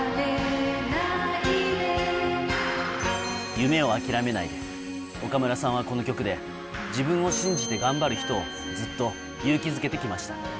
夢をあきらめないで、岡村さんはこの曲で、自分を信じて頑張る人を、ずっと勇気づけてきました。